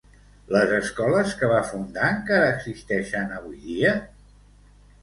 Les escoles que va fundar encara existeixen avui dia?